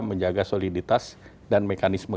menjaga soliditas dan mekanisme